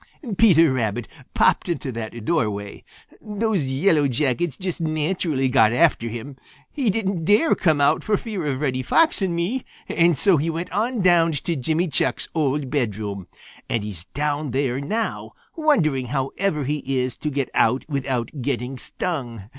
"Peter Rabbit popped into that doorway. Those Yellow Jackets just naturally got after him. He didn't dare come out for fear of Reddy Fox and me, and so he went on down to Jimmy Chuck's old bedroom, and he's down there now, wondering how ever he is to get out without getting stung.